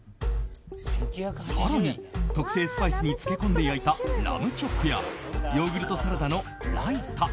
更に特製スパイスに漬け込んで焼いたラムチョップやヨーグルトサラダのライタ